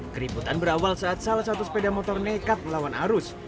keributan berawal saat salah satu sepeda motor nekat melawan arus